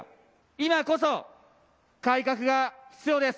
今こそ改革が必要です。